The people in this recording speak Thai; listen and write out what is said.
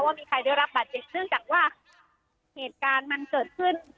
ว่ามีใครได้รับบาดเจ็บเนื่องจากว่าเหตุการณ์มันเกิดขึ้น